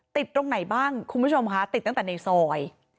ตรงไหนบ้างคุณผู้ชมคะติดตั้งแต่ในซอย